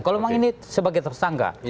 kalau memang ini sebagai tersangka